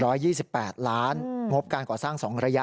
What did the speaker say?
ยี่สิบแปดล้านงบการก่อสร้างสองระยะ